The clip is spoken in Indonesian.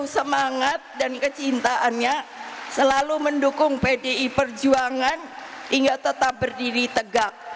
semangat dan kecintaannya selalu mendukung pdi perjuangan hingga tetap berdiri tegak